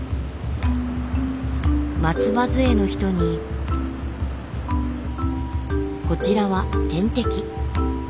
松葉づえの人にこちらは点滴。